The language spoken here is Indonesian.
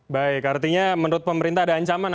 baik artinya menurut pemerintah ada ancaman